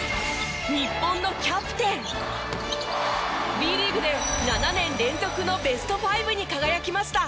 Ｂリーグで７年連続のベスト５に輝きました。